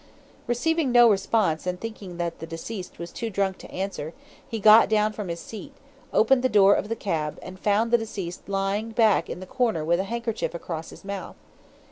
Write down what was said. Receiving no response and thinking that the deceased was too drunk to answer, he got down from his seat, opened the door of the cab, and found the deceased lying back in the corner with a handkerchief across his mouth.